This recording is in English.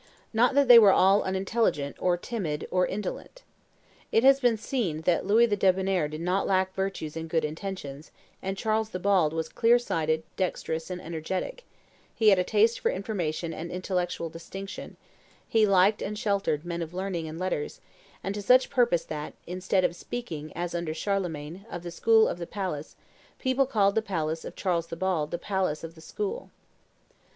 Not that they were all unintelligent, or timid, or indolent. It has been seen that Louis the Debonnair did not lack virtues and good intentions; and Charles the Bald was clear sighted, dexterous, and energetic; he had a taste for information and intellectual distinction; he liked and sheltered men of learning and letters, and to such purpose that, instead of speaking, as under Charlemagne, of the school of the palace, people called the palace of Charles the Bald the palace of the school.